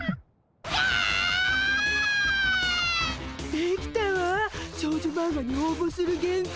出来たわ少女マンガに応募する原稿。